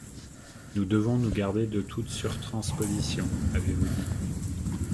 Nous devons nous garder de toute surtransposition, avez-vous dit.